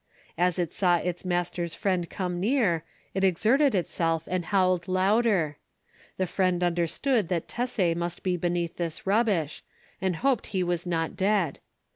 As it saw its master's friend come near, it exerted itself and howled louder. The friend understood that Tesser must be beneath this rubbish, and hoped he was not dead.